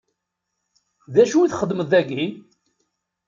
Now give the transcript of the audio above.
D acu i txeddmeḍ dagi?